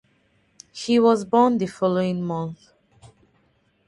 He was born the following month.